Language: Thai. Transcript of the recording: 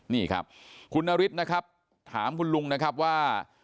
นี่ครับคุณนฤทธิ์นะครับถามคุณลุงนะครับว่า